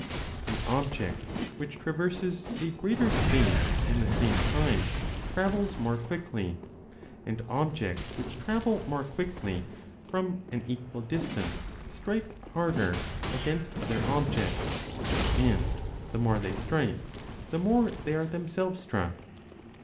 An object which traverses 35 a greater space in the same time travels more quickly, and objects which travel more quickly from an equal distance strike harder against other objects, and the more they strike the more they are themselves struck.